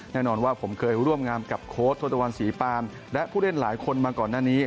แน่นอนว่าผมเคยร่วมงานกับโค้ดทศตวรรณศรีปามและผู้เล่นหลายคนมาก่อนหน้านี้